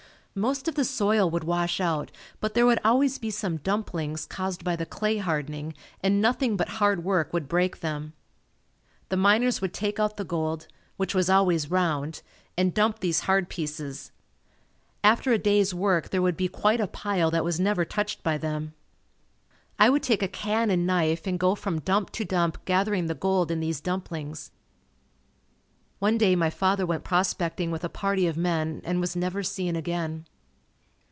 Most of the soil would wash out but there would always be some "dumplings" caused by the clay hardening and nothing but hard work would break them. The miners would take out the gold which was always round, and dump these hard pieces. After a day's work there would be quite a pile that was never touched by them. I would take a can and knife and go from dump to dump gathering the gold in these dumplings. One day my father went prospecting with a party of men and was never seen again.